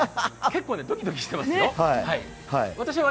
結構ドキドキしていますよ。